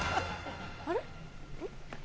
あれ？